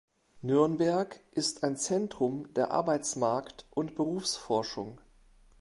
Nürnberg ist ein Zentrum der Arbeitsmarkt- und Berufsforschung.